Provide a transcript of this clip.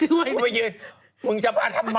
กูมายืนมึงจะบ้าทำไม